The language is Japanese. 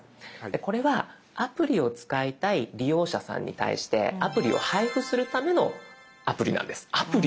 でこれはアプリを使いたい利用者さんに対してアプリを配布するためのアプリなんです。